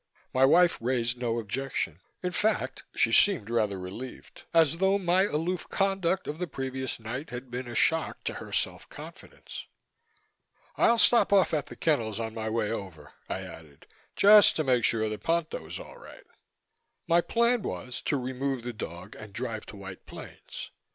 My wife raised no objection. In fact, she seemed rather relieved as though my aloof conduct of the previous night had been a shock to her self confidence. "I'll stop off at the kennels on my way over," I added, "just to make sure that Ponto is all right." My plan was to remove the dog and drive to White Plains.